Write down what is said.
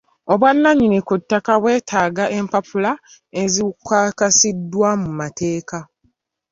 Obwannannyini ku ttaka bwetaaga empapula ezikakasiddwa mu mateeka.